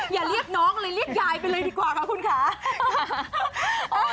อย่าเรียกน้องเลยเรียกยายไปเลยดีกว่าค่ะคุณค่ะ